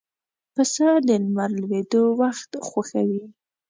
پسه د لمر لوېدو وخت خوښوي.